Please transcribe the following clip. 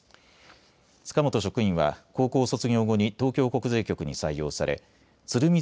塚本職員は高校卒業後に東京国税局に採用され鶴見